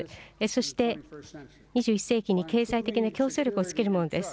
そして２１世紀に経済的な競争力をつけるものです。